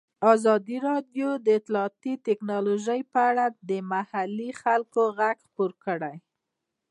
ازادي راډیو د اطلاعاتی تکنالوژي په اړه د محلي خلکو غږ خپور کړی.